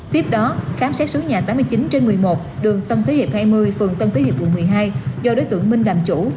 tiếp đó khám xét số nhà tám mươi chín trên một mươi một đường tân thế hiệp hai mươi phường tân thế hiệp quận một mươi hai do đối tượng minh làm chủ